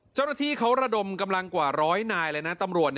เจ้ารถที่เขาระดมกำลังกว่าร้อยนายเลยนะ